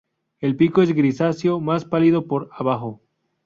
El pico es grisáceo, más pálido por abajo.